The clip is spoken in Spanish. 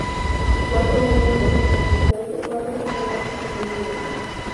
Cuatro momentos en las vidas de cuatro personajes femeninos.